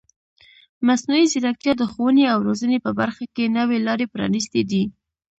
مصنوعي ځیرکتیا د ښوونې او روزنې په برخه کې نوې لارې پرانیستې دي.